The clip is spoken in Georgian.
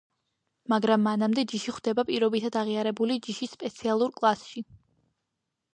მაგრამ მანამდე ჯიში ხვდება პირობითად აღიარებული ჯიშის სპეციალურ კლასში.